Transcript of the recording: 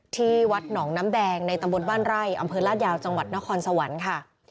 ที่วัดหนองน้ำแดงในตำบลบ้านไร่อำเภอลาดยาวจังหวัดนครสวรรค์ค่ะ